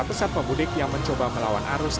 pesat pemudik yang mencoba melawan arus